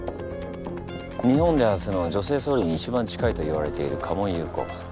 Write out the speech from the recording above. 日本で初の女性総理に一番近いといわれている鴨井ゆう子。